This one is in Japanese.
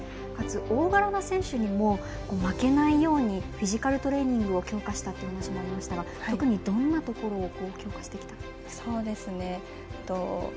大柄な選手にも負けないようにフィジカルトレーニングを強化したっていう話もありましたが特にどんなところを強化してきたんですか？